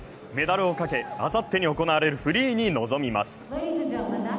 メダルをかけ、あさってに行われるフリーに臨みます。